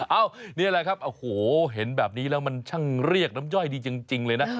นี่แหละครับโอ้โหเห็นแบบนี้แล้วมันช่างเรียกน้ำย่อยดีจริงเลยนะ